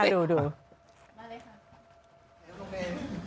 มาเลยค่ะ